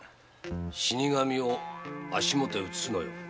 死神を足元へ移すのよ。